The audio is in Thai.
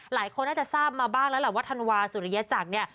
หลายคนน่าจะทราบมาบ้างแล้วแหละว่าธันวาสุริยจักรเนี่ย